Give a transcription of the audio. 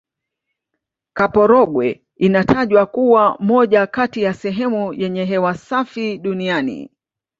kaporogwe inatajwa kuwa moja kati ya sehemu yenye hewa safi duniani